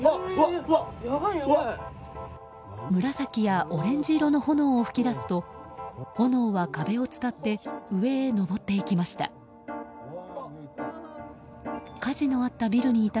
紫やオレンジ色の炎を噴き出すと炎は壁を伝って上へ上っていきました。